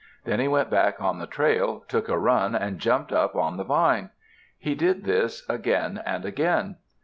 Then he went back on the trail, took a run, and jumped up at the vine. He did this again and again.